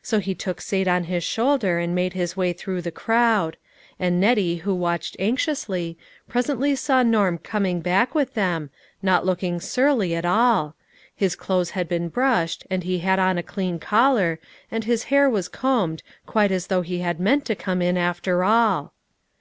So he took Sate on his shoulder and made his way through the crowd; and Nettie who 322 LITTLE FISHEES: AND THEIR NETS. watched anxiously, presently saw Norm coming back with them, not looking surly at all ; his clothes had been brushed, and he had on a clean collar, and his hair was combed, quite as though he had meant to come in, after all.